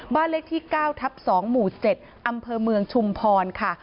บ้านเลขที่๙ทับ๒หมู่๗อำเภอเมืองชุมพรค่ะ